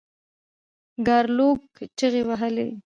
ګارلوک چیغې وهلې.